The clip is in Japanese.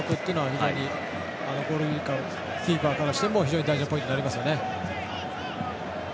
非常にキーパーからしても非常に大事なポイントになりますよね。